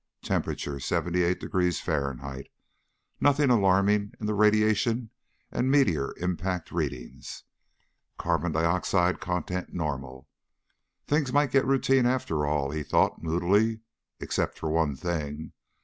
temperature 78 degrees F. ... nothing alarming in the radiation and meteor impact readings. Carbon dioxide content normal. Things might get routine after all, he thought moodily. Except for one thing.